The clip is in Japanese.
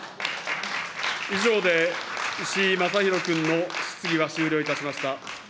以上で石井正弘君の質疑は終了いたしました。